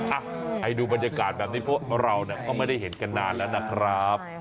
อ่ะให้ดูบรรยากาศแบบนี้เพราะเราก็ไม่ได้เห็นกันนานแล้วนะครับ